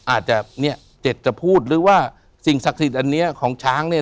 อาจจะเนี่ยเจ็ดจะพูดหรือว่าสิ่งศักดิ์สิทธิ์อันนี้ของช้างเนี่ย